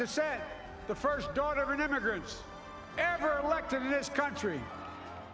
wanita pertama dari imigren yang pernah diilhamkan di negara ini